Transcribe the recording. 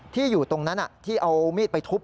อยู่ตรงนั้นที่เอามีดไปทุบ